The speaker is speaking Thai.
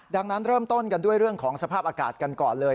ดังนั้นเริ่มต้นกันด้วยเรื่องของสภาพอากาศกันก่อนเลย